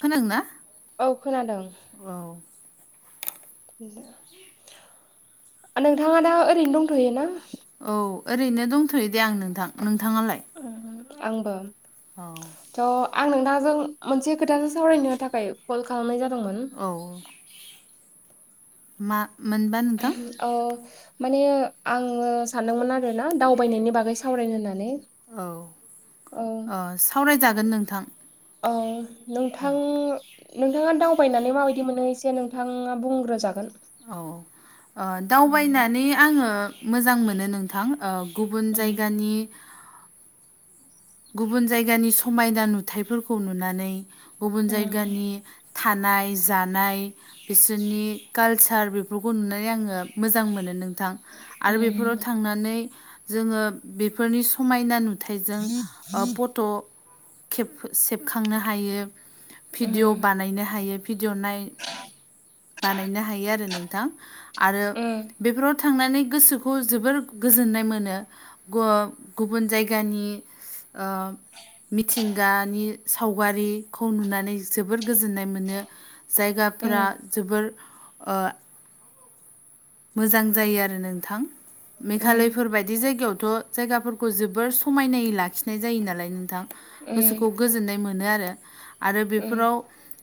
खोनादों ना? औ खोनादों। औ [unintelligible] [inaudible] नोंथाङा दा ओरैनो दंथ'यो ना? औ ओरैनो दंथ'यो दे आं नोंथां नोंथाङालाय? आंबो औ थ' आं नोंथांजों मोनसे खोथासो सावरायनो थाखाय कल खालामनाय जादोंमोन। औ मा मोनबा नोंथां? ओ माने आङो सानदोंमोन आरोना दावबायनायनि बागै सावरायनो होननानै। औ औ ओ सावरायजागोन नोंथां। औ औ नोंथां नोंथाङा दावबायनानै माबायदि मोनो एसे नोंथाङा बुंग्रोजागोन औ ओ उम दावबायनानै आङो मोजां मोनो नोंथां ओ गुबुन जायगानि गुबुन जायगानि समायना नुथायफोरखौ नुनानै गुबुन उम जायगानि थानाय, जानाय बिसोरनि कालचार बेफोरखौ नुनानै आङो मोजां मोनो नोंथां। आरो बेफोराव उम थांनानै जोङो बेफोरनि समायना नुथायजों फट'खेब- सेबखांनो हायो। भिडिअ उम बानायनो हायो भिडिअ नाय बानायनो हायो आरो नोंथां आरो उम बेफोराव थांनानै गोसोखौ जोबोर गोजोन्नाय मोनो गु-गुबुन जायगानि ओ मिथिंगानि सावगारिखौ नुनानै जोबोर गोजोननाय मोनो। उम जायगाफोरा जोबोर ओ मोजां जायो आरो नोंथां उम मेघालयफोरबाय दि जायगायावथ' जायगाफोरखौ जोबोर समायनायै लाखिनाय जायो नालाय नोंथां। उम गोसोखौ गोजोननाय मोनो आरो आरो उम बेफोराव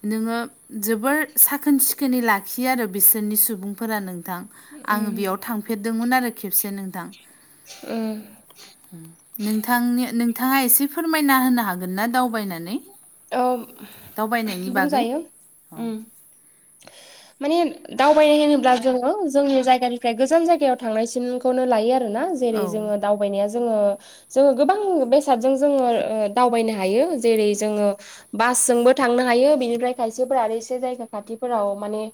नोङो जोबोर साखोन- सिखोनै लाखियो आरो बिसोरनि सुबुंफोरा नोंथां। आङो उम बेयाव थांफेरदोंमोन आरो खेबसे नोंथां। उम। नोंथांनि नोंथाङा एसे फोरमायना होनो हागोन ना दावबायनानै? औ दावबायनायनि बागै बुंजायो ओम। [unintelligible] माने दावबायनाय होनोब्ला जोङो जोंनि जायगानिफ्राय गोजान जायगायाव थांनायसिनखौनो लायो आरो ना। औ जेरै जों [unintelligible] दावबायनाया जोङो -जोङो गोबां बेसादजों जोङो दावबायनो हायो जेरै जोङो बासजोंबो थांनो हायो बेनिफ्राय खायसेफोरा आरो एसे जायगा खाथिफोराव माने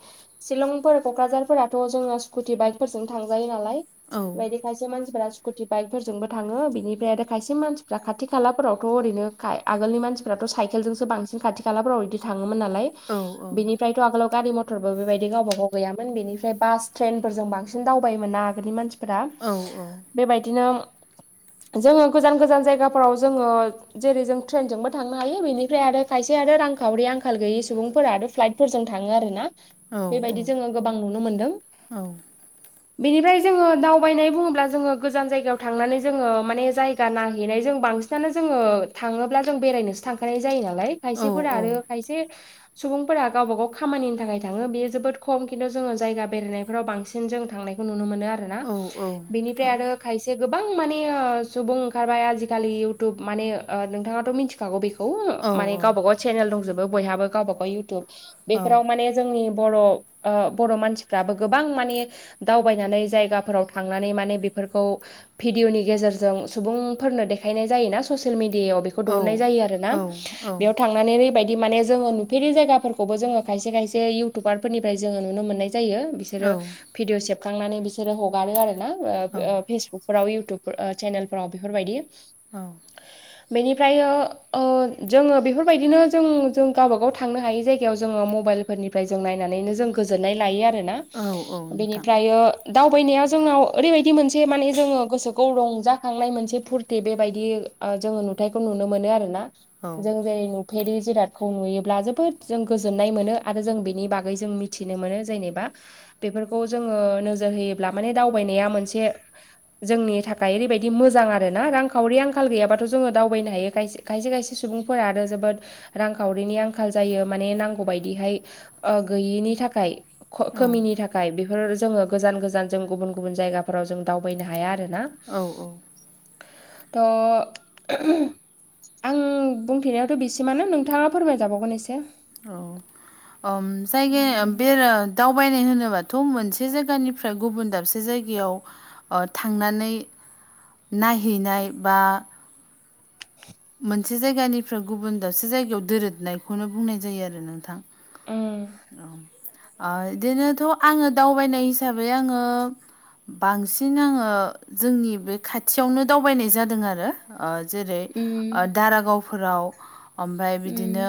शिलंफोर, क'क्राझारफोराथ' जोङो स्कुटि बाइकफोरजों थांजायो नालाय। औ बेबादि खायसे मानसिफोरा स्कुटि बाइकफोरजोंबो थाङो। बिनिफ्राय आरो खायसे मानसिफ्रा खाथि- खालाफोरावथ' ओरैनो आगोलनि मानसिफोराथ' [unintelligible] [unintelligible] बांसिन खाथि- खालाफोराव इडि थाङोमोन नालाय औ बेनिफ्रायथ' आगोलाव गारि [unintelligible] मटरबो बेबायदि गावबा- गाव गैयामोन। बेनिफ्राय बास, ट्रेनफोरजों बांसिन दावबायोमोन ना आगोलनि मानसि औ [unintelligible] बेबायदिनो जोङो गोजान- गोजान जायगाफोराव जोङो जेरै जों ट्रेनजोंबो थांनो हायो बेनि ओमफ्राय आरो खायसे आरो रांखावरि आंखाल गैयि सुबुंफोरा आरो फ्लाइटफोरजों थाङो आर ना। औ बेबायदि जोङो गोबां नुनो मोनदों। [inaudible] बेनिफ्राय जोङो दावबायनाय बुङोब्ला जोङो गोजान जायगायाव थांनानै जोङो माने जायगा नायहैनाय। जों बांसिन बांसिनो जोङो थाङोब्ला जों बेरायनोसो थांखानाय जायो नालाय औ खायसेफोरा आरो खायसे सुबुंफोरा गावबा -गाव खामानिनि थाखाय थाङो बेयो जोबोद खम। खिन्थु जोङो जायगा बेरायनायफोराव बांसिन जों थांनाय नुनो मोनो आरोना औ औ बेनिफ्राय नोंथां आरो खायसे गोबां माने सुबुं ओंखारबाय आजिखालि इउटुब माने नोंथाङाथ' मिथिखागौ बेखौ। [unintelligible] औ माने गावबा- गाव चेनेल दंजोबो बयहाबो गावबा- गाव इउतुब बेफोराव माने जोंनि बर' ओ बर' मानसिफ्राबो गोबां माने दावबायनानै जायगाफोराव थांनानै माने बेफोरखौ भिदिअ'नि गेजेरजों सुबुंफोरनो देखायनाय जायोना ससियेल मिडियायाव [unintelligible] [unintelligible] जायो आरोना औ [unintelligible] थांनानै ओरैबायदि माने जोङो नुफेरै जायगाफोरखौबो जोङो खायसे -खायसे इउटुबारफोरनिफ्राय जोङो नुनो मोननाय जायो। औ बिसोरो भिदिअ सेबखांनानै बिसोरो हगारो आरो ना फेसबुक [unintelligible] इउटुब चेनेलफोराव बेफोरबायदि औ। बेनिफ्राय ओ जोङो बेफोरबायदिनो जों जों गावबागाव थांनो हायै जायगायाव जोङो मबाइल फोरनिफ्राय जों नायनानैनो जों गोजोननाय लायो आरोना औ नोंथां बेनिफ्राय दावबायनायाव जोंनाव ओरैबायदि मोनसे माने जोङो गोसोखौ रंजाखांनाय मोनसे फुरथि बेबायदि जोङो नुथायखौ नुनो मोनो आरो ना औ जों जेरै फेरि जिरादखौ नुयोब्ला जोबोद जों गोजोननाय मोनो आरो जों बेनि बागै जों मिथिनो मोनो जेनेबा बेफोरखौ जोङो नोजोर होयोब्ला माने दावबायनाया मोनसे जोंनि थाखाय ओरैबायदि मोजां आरो ना रांखावरि आंखाल गैयाबाथ' जोङो दावबायनो हायो खाय- खायसे- खायसे सुबुंफोरा आरो जोबोद रांखावरिनि आंखाल जायो। माने नांगौ बायदिहाय गैयिनि थाखाय ख'- औ खोमिनि थाखाय बेफोर जोङो गोजान- गोजान जों गुबुन- गुबुन जायगाफोराव जों दावबायनो हाया आरो ना। औ औ थ' आं बुंथेनायावथ' बिसिमानो नोंथाङा फोरमायजाबावगोन एसे औ जायगाया बे दावबायनाय होनोबाथ' मोनसे जायगानि निफ्राय गुबुन दाबसे जायगायाव ओ थांनानै नायहैनाय बा मोनसे जायगानिफ्राय गुबुन दावसे जायगायाव दोरोदनायखौनो बुंनाय जायो आरो नोंथां उ ओ बिदिनोथ' आङो दावबायनाय हिसाबै आङो बांसिन आङो जोंनि बे खाथियावनो दावबायनाय जादों आरो ओ जेरै ओ उम दारागावफोराव ओमफ्राय उम बिदिनो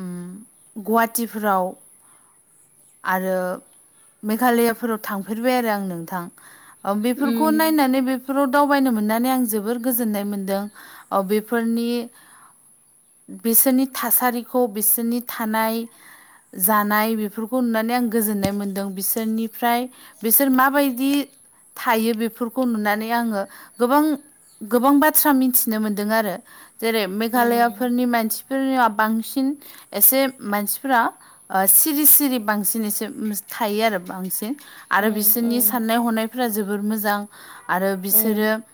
उम गुवाहाटिफोराव आरो मेघालयाफोराव थांफेरबाय आरो आं नोंथां बेफोरखौ उम नायनानै बे बेफोराव दावबायनो मोननानै आं जोबोर गोजोननाय मोनदों ओ बेफोरनि बिसोरनि थासारिखौ बिसोरनि थानाय जानाय बेफोर खौ नुनानै आं गोजोननाय मोन्दों बिसोरनिफ्राय बिसोर माबायदि थायो बेफोरखौ नुनानै आङो गोबां गोबां बाथ्रा मिथिनो मोनदों आरो जेरै उम मेघालयाफोरनि मानसि फोरा बांसिन एसे मानसिफोरा ओ सिरि सिरि बांसिन एसे थायो आरो बांसिन आरो उम बिसोरनि उम साननाय हनायफ्रा जोबोर मोजां आरो बिसोरो उम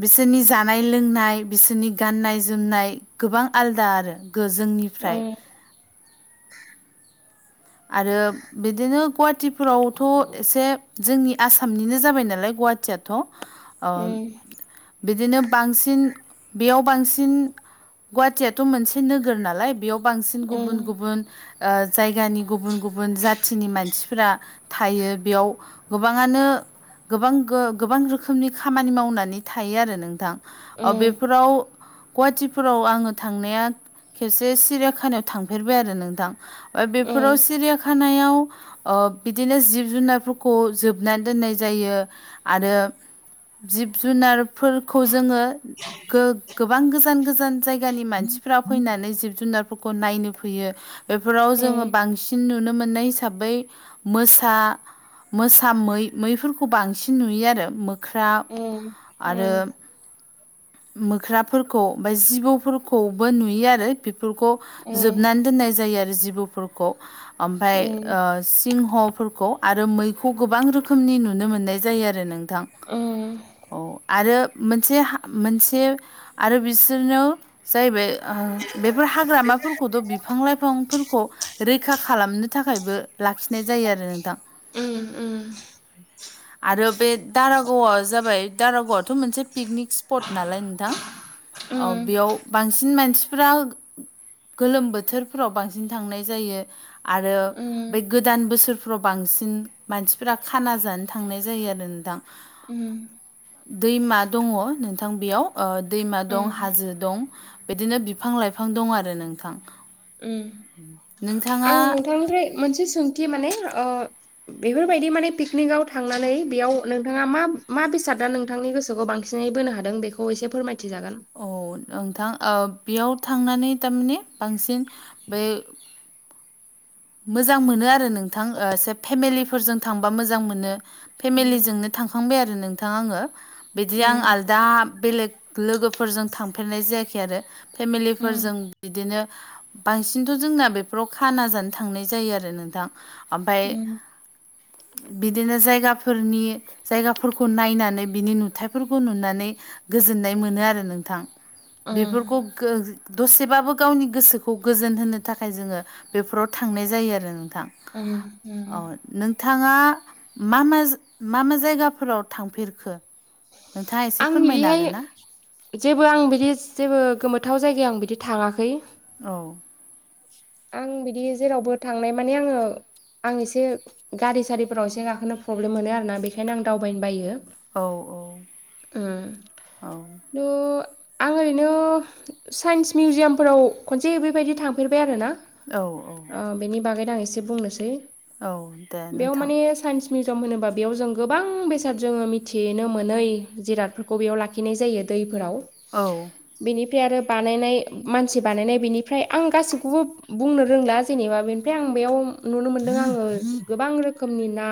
बिसोरनि जानाय लोंनाय बिसोरनि गाननाय-जोमनाय गोबां आलदा आरो जोंनि उम आरो बिदिनो गुवाहाटिफोरावथ' एसे जोंनि आसामनिनो जाबाय नालाय गुवाहाटियाथ' बिदिनो बांसिन बेयाव बांसिन गुवाहाटियाथ' मोनसे नोगोर नालाय बेयाव बांसिन उम गुबुन गुबुन ओ जायगानि गुबुन गुबुन जाथिनि मानसिफोरा थायो बेयाव गोबाङानो गोबां गोबां रोखोमनि खामानि मावनानै थायो आरो नोंथां अ उम बेफोराव गुवाहाटिफोराव आङो थांनाया खेबसे सिरियाखानायाव थांफेरबाय आरो नोंथां। उम फोराव सिरिया खानायाव ओ बिदिनो जिब-जुनारफोरखौ जोबनानै दोननाय जायो आरो जिब-जुनारफोरखौ जोङो गो-गोबां गोजान गोजान जायगानि मानसिफ्रा फैनानै जिब-जुनारफोरखौ नायनो फैयो बेफोराव जोङो सिन नुनो मोननाय हिसाबै मोसा मोसा मै मैफोरखौ बांसिन नुयो आरो मो ख्रा आरो मोख्राफोरखौ बा जिबौफोरखौबो नुयो आरो बेफोरखौ जोबना दोननाय जायो आरो जिबौफोरखौ ओमफाय ओ सिंहफोरखौ आरो मैखौ गोबां रोखोमनि नुनो मोननाय जायो आरो नोंथां उ औ आरो मोनसे मोनसे आरो बिसोरनोाव जाहैबाय बेफोर हाग्रामाफोरखौथ' बिफां लाइफांफोरखौ रैखा खालामनो थाखायबो लाखिनाय जायो आरो नोंथां आरो बे दारागावआ जाबाय दारागावथ' मोनसे पिकनिक् स्पट नालाय नोंथां बेयाव बांसिन मानसिफ्रा गोलोम बोथोरफोराव बांसिन थांनाय जायो आरो बे गोदान बोसोरफ्राव बांसिन मानसिफोरा खाना जानो थांनाय जायो आरो न दां उम दैमा दङ नोंथां बेयाव दैमा दं हाजो दं बिदिनो बिफां लाइफां दं आरो नोंथां नोंथाङा आं नोंथांनिफ्राय मोनसे सोंथि माने बेफोरबायदि माने पिकनिकाव थांनानै बेयाव नोंथाङा मा मा बेसादा नोंथांनि गोसोखौ बांसिन एसिनै बोनो हादों बेखौ एसे फोरमायथिजागोन औ नोंथां बेयाव थांनानै थारमाने बांसिन बे मोजां मोनो आरो नोंथां स फेमिलिफोरजों थांबा मोजां मोनो उम फेमिलिजोंनो थांखांबाय आरो नोंथांा आङो बिदि आं उम आलदा बेलेग लोगो फोरजों थांफेरनाय जायाखै आरो उम फेमिलिफोरजों बिदिनो बांसिनथ' जोंना बेफोराव खाना जानो थांनाय जायो आरो नोंथां ओमफाय उम बिदिनो जायगाफोरनि जायगाफोरखौ नायनानै बिनि नुथायफोरखौ नुनानै गोजोननाय मोनो आरो नोंथां उम बेफोरखौ दसेबाबो गावनि गोसोखौ गोजोन होनो थाखाय जोङो बेफोराव थांनाय जायो आरो नोंथां उम औ उम। नोंथाङा मा म मा मा जायगाफोराव थांफेरखो नोंथाङा एसे आं फोरमायनो हागोन बिहाय ना जेबो आं बिदि जेबो गोमोथाव जायगायाव आं बिदि थाङाखै औ आं बिदि जेरावबो थांनाय माने आङो आं एसे गारि सारिफोराव एसे गाखोनो प्रब्लेम मोनो आरोना बेखायनो आं दावबायनो बायो औ औ औ द' आं ओरैनो साइन्स मिउजियामफोराव खनसे बेबायदि थांफेरबाय आरो ना औ औ ओ बेनि बागैनो आं एसे बुंनोसै औ दे बेयाव नोंथां माने साइन्स मिउजियाम होनोबा बेयाव जों गोबां बेसाद जोङो मिथिनो मोनै जिरादफोरखौ बेयाव लाखि लाखिनाय जायो दैफोराव औ बेनिफ्राय आरो बानायनाय मानसि बानायनाय बेनिफ्राय आं गासैखौबो बुंनो रोंला जेनेबा बेनिफ्राय आं बेयाव नुनो मोनदों आङो गोबां रोखोमनि ना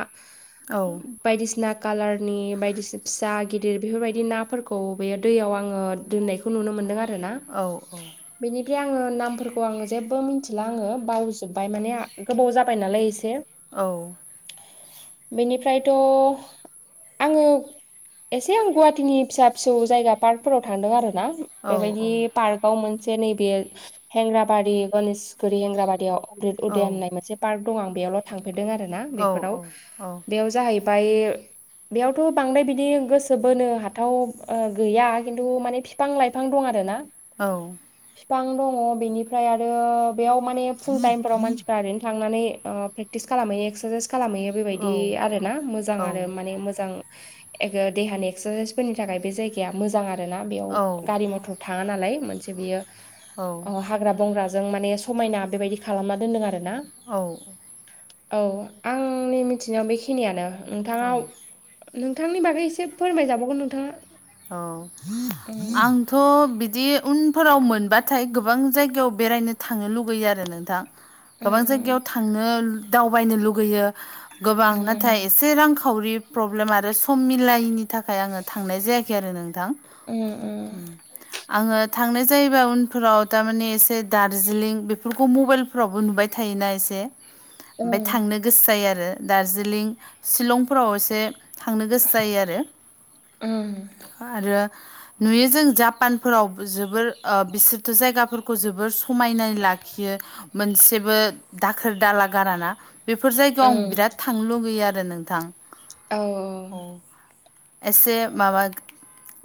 औ [inaudible] बायदिसिना कालारनि बायदिसिना फिसा गिदिर बेफोरबायदि नाफोरखौ बेयो दैयाव आङो दोननायखौ नुनो मोनदों आरोना औ बेनि आ नफोरखौ जे मि बावजोबबाय माने गोबाव जाबाय नालाय एसे औ बेनिफ्रायथ' आङो एसे आं गुवाहाटेनि फिसा फिसौ जायगा पारखफोराव थांदों आरो नां औ बेबायदि पार्कआव मोनसे नैबे हेंग्राबारि गणेश गोदो हेंग्राबादियाव अमृद औ उदयान होननाय मोनसे पार्क दं बेयावल' थांफेरदों आरो ना औ बेफोराव बेयाव जाहैबाय बेयावथ' बांद्राय बिदि गोसो बोनो हाथाव गैया खिन्थु माने फि बिफां लाइफां दं आरो ना। औ। बिफां दङ बेनिफ्राय आरो। बेयाव माने फुल टाइम फोराव मानसिफ्रा ओरैनो थांनानै प्रेकटिस खालामहोयो एक्सारसाइस खालामहोयो। बेबायदि आरो ना मोजां आरो माने मोजां ओगो देहानि एक्सारसाइसफोरनि थाखाय बे जाय बेया मोजां आरो ना बेयाव गारि मथर थाङा नालाय मोनसे बियो। औ ओ हाग्रा बंग्राजों माने समायना बेबायदि खालामना दोनदों आरो ना औ औ आंनि मिथिनायाव बेखिनियानो नोंथाङा नोंथांनि बागै एसे फोरमायजाबावगोन नोंथाङा थ' बिदि उनफोराव मोनबाथाय गोबां जायगायाव बेरायनो थांनो लुगैयो आरो नोंथां गोबां जायगायाव उम, थांनो दावबायनो लुगैयो गोबां उम, नाथाय एसे रांखावरि प्रब्लेम आरो सम मिलायैनि थाखाय आङो थांनाय जायाखै आरो नोंथां उम, ओम आङो थांनाय जायोबा उनफोराव थारमाने एसे दारजिलिं बेफोरखौ मबाइल फोरावबो नुबाय थायोना एसे ओमफ्राय उम, थांनो गोसो जायो आरो दारर्जिलिं सिलं फोराव एसे थांनो गोसो जायो आरो ओम आरो नुयो जों जापानफोराव जोबोर बिसोरथ' जायगाफोर जोबोर समायना लाखियो मोनसेबो दाखोर दाला गाराना बेफोर जायगायाव आं उम, बिराद थांनो लुगैयो आरो नोंथां औ एसे माबा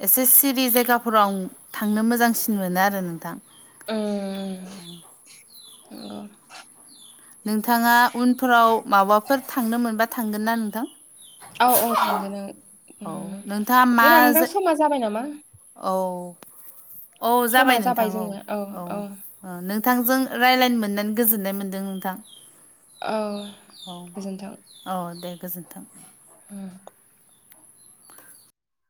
एसे सिरि जायगाफोराव आं थांनो मोजांसिन मोनो आरो नोंथां [inaudible] नंगौ। नोंथाङा उनफोराव माबाफोर थांनो मोनबा थांगोन ना नोंथां। औ औ थांगोन औ ओम नोंथाङा मा जोंना नोंथां समा जाबाय नामा औ औ जाबाय नोंथां औ औ नोंथांजों राय्लायनो मोननानै गोजोननाय मोन्दों नोंथां औ औ गोजोनथों। औ दे गोजोन्थों। होम